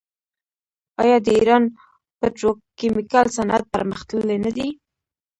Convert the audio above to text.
آیا د ایران پتروکیمیکل صنعت پرمختللی نه دی؟